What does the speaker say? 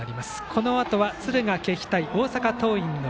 このあとは敦賀気比対大阪桐蔭。